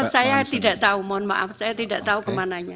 saya tidak tahu mohon maaf saya tidak tahu kemananya